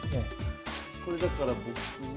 これだから僕は。